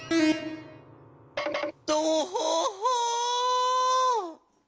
とほほ！